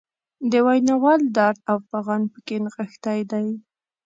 د ویناوال درد او فعان پکې نغښتی دی.